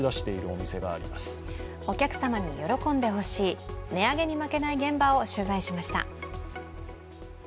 お客様に喜んでほしい値上げに負けない現場を取材しました。